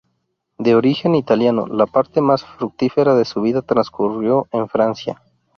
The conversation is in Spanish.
De origen italiano, la parte más fructífera de su vida transcurrió en Francia.